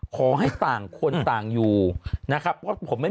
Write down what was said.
ขอให้ต่างคนต่างอยู่นะครับ